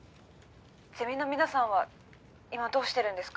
☎ゼミの皆さんは今どうしてるんですか？